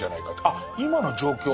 「あ今の状況